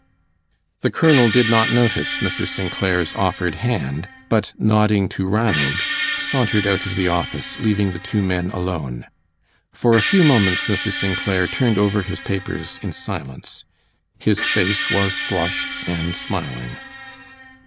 The colonel did not notice Mr. St. Clair's offered hand, but nodding to Ranald, sauntered out of the office, leaving the two men alone. For a few moments Mr. St. Clair turned over his papers in silence. His face was flushed and smiling.